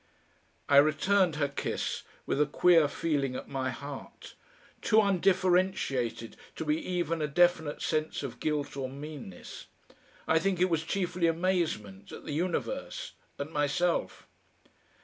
I returned her kiss with a queer feeling at my heart, too undifferentiated to be even a definite sense of guilt or meanness. I think it was chiefly amazement at the universe at myself.